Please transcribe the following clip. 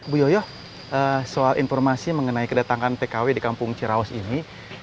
bu yoyo soal informasi mengenai kedatangan tkw di kampung cirawas ini